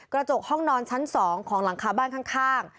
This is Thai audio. กระจกห้องนอนชั้น๒ของหลังคาบ้านข้าง